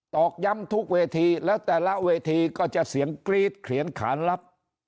อกย้ำทุกเวทีแล้วแต่ละเวทีก็จะเสียงกรี๊ดเขียนขานลับ